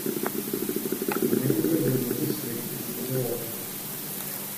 The main river in the district is the Zorge.